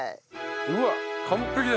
うわっ完璧だ。